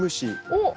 おっ！